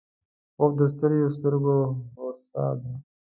خوب د ستړیو سترګو هوسا ده